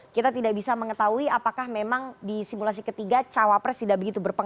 kita tidak bisa mengetahui apakah memang di simulasi ketiga cawapres tidak begitu berpengaruh